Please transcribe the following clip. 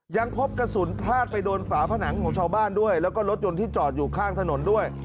ยังพบกระสุนพลาดไปโดนฝาผนังของชาวบ้านด้วยแล้วก็รถยนต์ที่จอดอยู่ข้างถนนด้วย